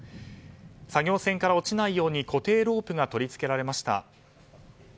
作業船から落ちないように固定ロープが取り付けられました。